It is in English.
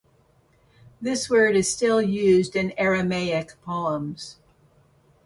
This word is still used in Aramaic poems.